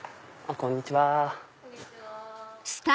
こんにちは。